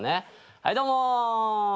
はいどうも。